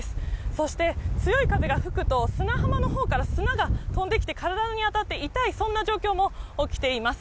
そして、強い風が吹くと砂浜のほうから砂が飛んできて、体にあたって痛い、そんな状況も起きています。